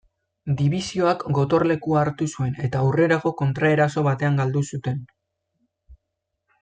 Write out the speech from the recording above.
Dibisioak gotorlekua hartu zuen eta aurrerago kontraeraso batean galdu zuten.